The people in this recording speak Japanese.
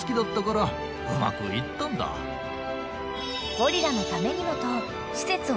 ［ゴリラのためにもと］